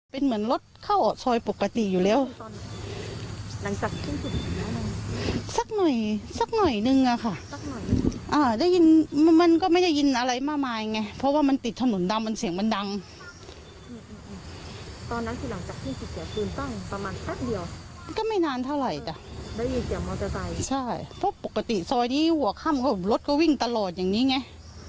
ปกติซอยนี้หัวข้ามรถก็วิ่งตลอดอย่างนี้ไง